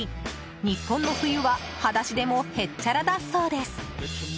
日本の冬は裸足でもへっちゃらだそうです。